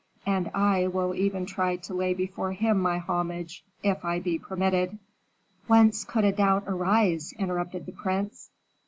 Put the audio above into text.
and I will even try to lay before him my homage, if I be permitted." "Whence could a doubt arise?" interrupted the prince.